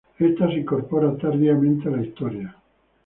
Esta se incorpora tardíamente a la Historia.